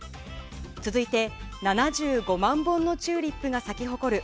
続いて、７５万本のチューリップが咲き誇る